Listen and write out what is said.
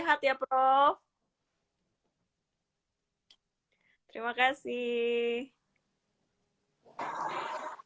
alhamdulillah makasih shain anthony oleh untuk semua orang yang kamung untuk melaksanakan seseorang seseorang seorang bit pun